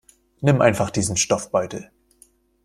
Nimm einfach diesen Stoffbeutel.